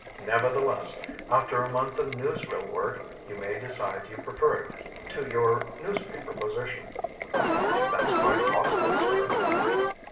Nevertheless, after a month of newsreel work, you may decide you prefer it to your newspaper position." "That's quite possible, sir."